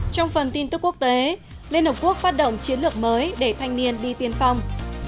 trong phần tin tức quốc tế liên hợp quốc phát động chiến lược mới để thanh niên đi tiên phong